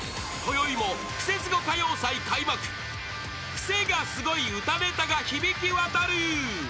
［クセがスゴい歌ネタが響きわたる］